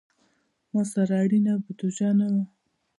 ما سره اړینه بودیجه نه وه.